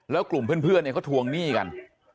แล้วกลุ่มเพื่อนเนี่ยเขาทวงหนี้กัน